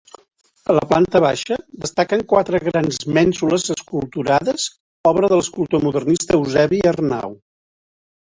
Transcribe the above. A la planta baixa, destaquen quatre grans mènsules esculturades, obra de l'escultor modernista Eusebi Arnau.